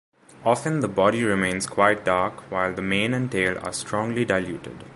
Often the body remains quite dark while the mane and tail are strongly diluted.